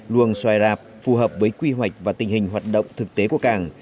luồng xoài rạp phù hợp với quy hoạch và tình hình hoạt động thực tế của cảng